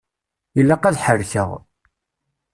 Ilaq ad ḥerrkeɣ.